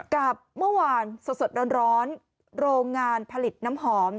กับเมื่อวานสดร้อนโรงงานผลิตน้ำหอม